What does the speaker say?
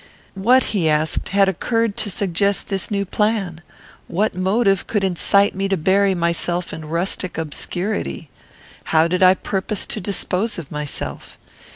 What, he asked, had occurred to suggest this new plan? What motive could incite me to bury myself in rustic obscurity? How did I purpose to dispose of myself?